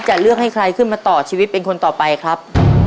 จะเลือกให้ใครขึ้นมาต่อชีวิตเป็นคนต่อไปครับ